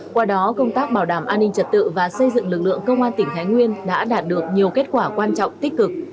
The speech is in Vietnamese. qua đó công tác bảo đảm an ninh trật tự và xây dựng lực lượng công an tỉnh thái nguyên đã đạt được nhiều kết quả quan trọng tích cực